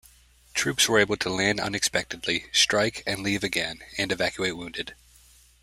Troops were able to land unexpectedly, strike, and leave again, and evacuate wounded.